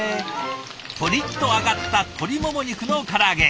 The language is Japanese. プリッと揚がった鶏もも肉のから揚げ。